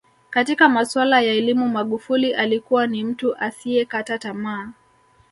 Katika masuala ya elimu Magufuli alikuwa ni mtu asiyekata tamaa